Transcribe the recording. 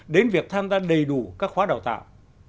đến việc tham gia đầy đủ các khóa đào tạo